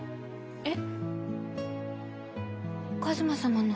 えっ？